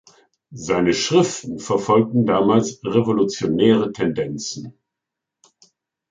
Seine Schriften verfolgten damals revolutionäre Tendenzen.